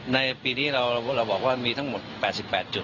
ในปีนี้เราบอกว่ามีทั้งหมด๘๘จุด